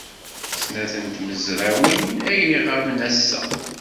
Snat n tmezrawin ay iɣaben ass-a.